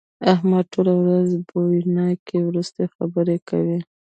احمد ټوله ورځ بويناکې ورستې خبرې کوي.